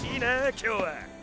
今日は！